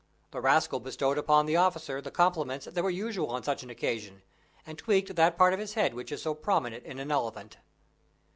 The rascal bestowed upon the officer the compliments that were usual on such an occasion, and tweaked that part of his head that is so prominent in an elephant.